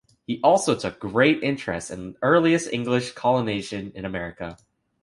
He also took great interest in the earliest English colonization in America.